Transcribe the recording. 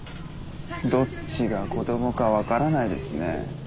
どっちが子供か分からないですね。